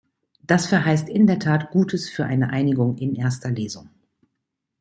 Das verheißt in der Tat Gutes für eine Einigung in erster Lesung.